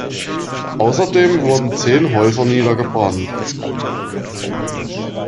Außerdem wurden zehn Häuser niedergebrannt.